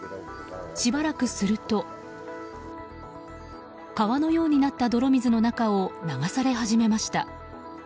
しばらくすると川のようになった泥水の中を流され始めました。